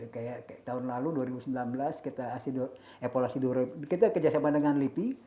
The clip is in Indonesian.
kayak tahun lalu dua ribu sembilan belas kita kejasama dengan lipi